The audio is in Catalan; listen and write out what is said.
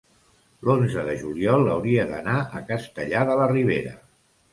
l'onze de juliol hauria d'anar a Castellar de la Ribera.